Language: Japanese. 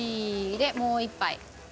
でもう１杯。